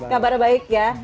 kabar baik ya